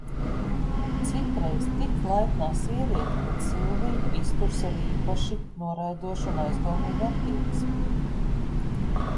Citreiz tik laipnā sieviete pret Silviju izturas ar īpaši noraidošu un aizdomīgu attieksmi.